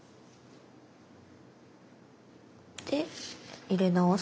で入れ直す。